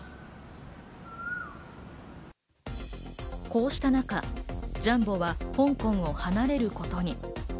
こうした中、ジャンボは香港を離れることに。